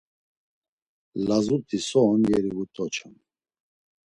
Lazut̆i so on yeri vut̆oçam.